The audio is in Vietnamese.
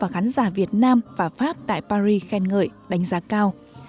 khán giả việt nam và pháp tại paris khen ngợi đánh giá cao